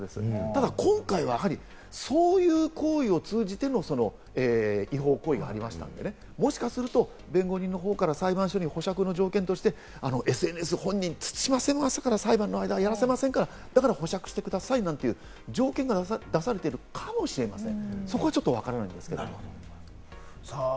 ただ今回はそういう行為を通じての違法行為があったので、もしかすると弁護人の方から裁判所に保釈の条件として、本人に慎ませますから、ですから保釈してくださいという条件が出されているかもしれません。